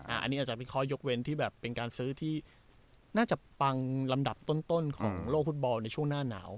อันนี้อาจจะวิเคราะหยกเว้นที่แบบเป็นการซื้อที่น่าจะปังลำดับต้นของโลกฟุตบอลในช่วงหน้าหนาว